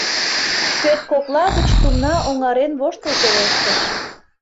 — пӧрткокла гыч Тумна оҥарен воштыл пелештыш.